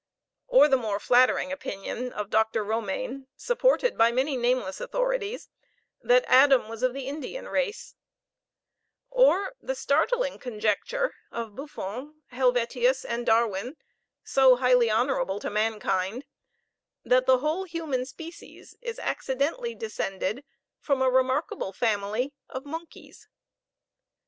Or the more flattering opinion of Dr. Romayne, supported by many nameless authorities, that Adam was of the Indian race; or the startling conjecture of Buffon, Helvetius, and Darwin, so highly honorable to mankind, that the whole human species is accidentally descended foam a remarkable family of monkeys!